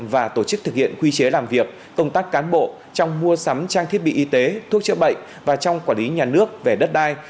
và tổ chức thực hiện quy chế làm việc công tác cán bộ trong mua sắm trang thiết bị y tế thuốc chữa bệnh và trong quản lý nhà nước về đất đai